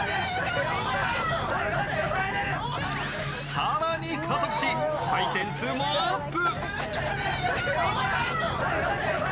更に加速し回転数もアップ。